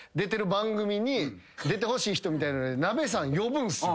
出てほしい人みたいなんでなべさん呼ぶんすよ。